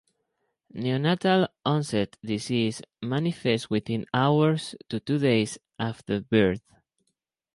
Neonatal-onset disease manifests within hours to two days after birth.